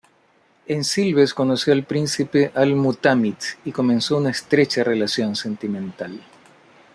En Silves conoció al príncipe Al-Mutámid y comenzó una estrecha relación sentimental.